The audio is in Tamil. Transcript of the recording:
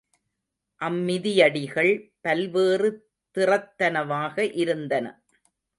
அம்மிதியடிகள் பல்வேறு திறத்தனவாக இருந்தன.